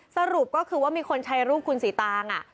สรุปก็คือว่ามีคนใช้รูปคุณสีตาง